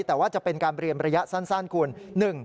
แต่ว่าจะเป็นการเรียนระยะสั้นคุณ